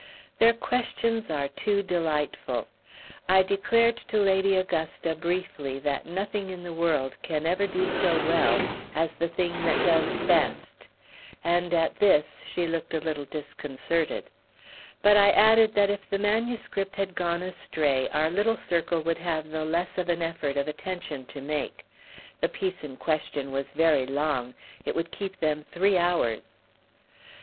Their questions are too delightful! I declared to Lady Augusta briefly that nothing in the world can ever do so well as the thing that does best; and at this she looked a little disconcerted. But I added that if the manuscript had gone astray our little circle would have the less of an effort of attention to make. The piece in question was very long—it would keep them three hours.